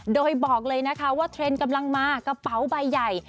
โดยบอกเลยนะคะว่าเทรนด์กำลังมากระเป๋าใบใหญ่